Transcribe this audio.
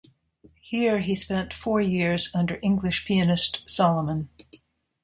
Here he spent four years under English pianist, Solomon.